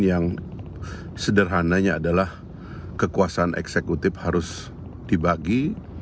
yang sederhananya adalah kekuasaan eksekutif harus dibagi